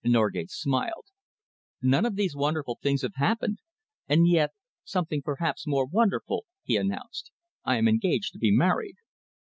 Norgate smiled. "None of these wonderful things have happened and yet, something perhaps more wonderful," he announced. "I am engaged to be married."